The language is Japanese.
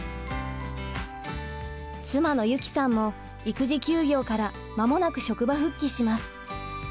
妻の由己さんも育児休業から間もなく職場復帰します。